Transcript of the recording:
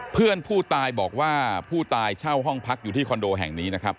เพื่อนผู้ตายบอกว่าผู้ตายเช่าห้องพักอยู่ที่คอนโดแห่งนี้นะครับ